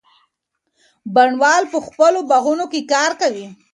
بڼوال په خپلو باغونو کي کار کوي.